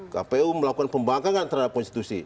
kpu melakukan pembangkangan terhadap konstitusi